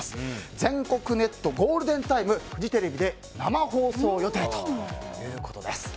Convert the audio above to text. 全国ネット・ゴールデンタイムフジテレビで生放送予定ということです。